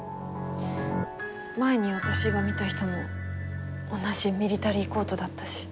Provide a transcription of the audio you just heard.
前に私が見た人も同じミリタリーコートだったし。